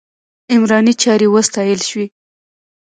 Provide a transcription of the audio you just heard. عمراني چارې وستایل شوې.